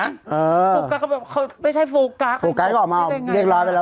โฟกัสเขาบอกเขาไม่ใช่โฟกัสโฟกัสก็ออกมาเรียบร้อยไปแล้ว